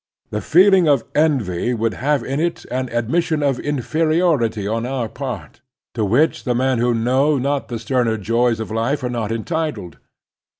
The feeling of envy would have in it an admission of inferiority on our part, to which the men who know not the sterner joys of life are not entitled.